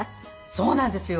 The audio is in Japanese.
そうなんですよ。